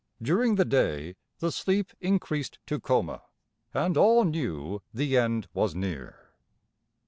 During the day the sleep increased to coma, and all knew the end was near.